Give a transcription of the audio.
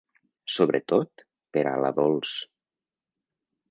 Sobretot per a la Dols.